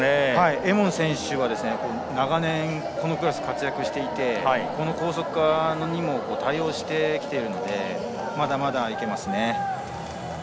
エモン選手は長年このクラスで活躍していて高速化にも対応してきているのでまだまだいけますね。